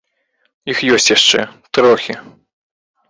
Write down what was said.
Іх ёсць яшчэ, трохі.